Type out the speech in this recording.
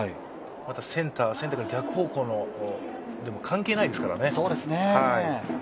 センター、センターから逆方向でも関係ないですからね。